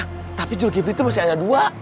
hah tapi julgibr itu masih ada dua